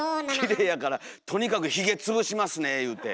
きれいやからとにかくヒゲつぶしますね言うて。